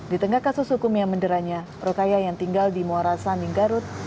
di tengah kasus hukum yang menderanya rokaya yang tinggal di muara sanding garut